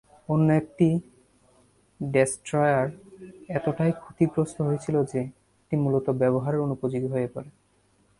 অন্য একটি ডেস্ট্রয়ার এতটাই ক্ষতিগ্রস্ত হয়েছিল যে এটি মূলত ব্যবহারের অনুপযোগী হয়ে পড়ে।